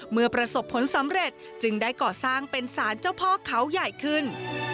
เมื่อประสบผลสำเร็จจึงได้ก่อสร้างเป็นสารเจ้าพ่อเขาใหญ่ขึ้น